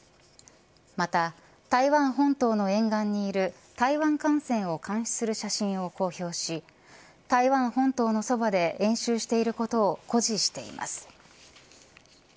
また台湾本島の沿岸にいる台湾艦船を監視する写真を公表し台湾本島のそばで演習していることを誇示しています。